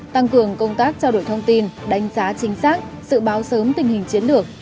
tăng cường công tác trao đổi thông tin đánh giá chính xác dự báo sớm tình hình chiến lược